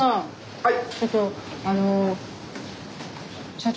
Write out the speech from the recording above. はい。